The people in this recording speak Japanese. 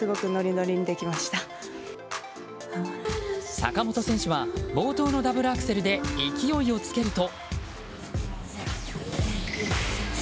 坂本選手は冒頭のダブルアクセルで勢いをつけると。